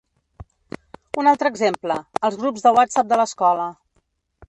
Un altre exemple: els grups de whatsapp de l’escola.